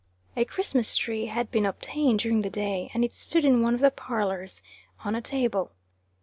A Christmas tree had been obtained during the day, and it stood in one of the parlors, on a table.